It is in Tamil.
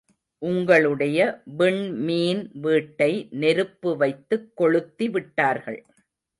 உங்களுடைய விண்மீன் வீட்டை நெருப்பு வைத்துக் கொளுத்திவிட்டார்கள்.